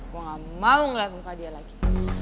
gue gak mau ngeliat muka dia lagi